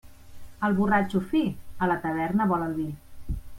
El borratxo fi, a la taverna vol el vi.